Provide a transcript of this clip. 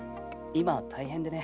今大変でね。